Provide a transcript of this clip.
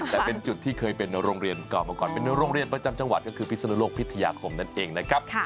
แต่เป็นจุดที่เคยเป็นโรงเรียนเก่ามาก่อนเป็นโรงเรียนประจำจังหวัดก็คือพิศนุโลกพิทยาคมนั่นเองนะครับ